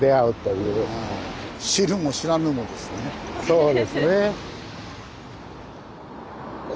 そうですね。